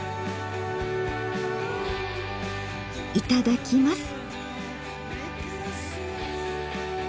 いただきます。